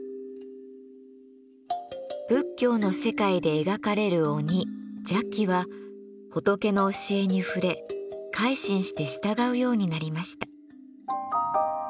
仏教の世界で描かれる鬼邪鬼は仏の教えに触れ改心して従うようになりました。